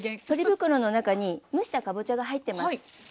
ポリ袋の中に蒸したかぼちゃが入ってます。